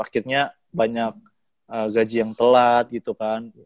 akhirnya banyak gaji yang telat gitu kan